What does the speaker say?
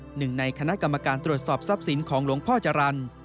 หนึ่งในคณะกรรมการตรวจสอบทรัพย์สินของหลวงพ่อจรรย์